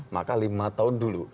maka lima tahun dulu